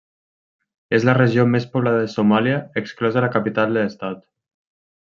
És la regió més poblada de Somàlia exclosa la capital de l'estat.